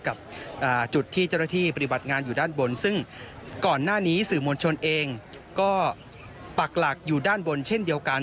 กับจุดที่เจ้าหน้าที่ปฏิบัติงานอยู่ด้านบนซึ่งก่อนหน้านี้สื่อมวลชนเองก็ปักหลักอยู่ด้านบนเช่นเดียวกัน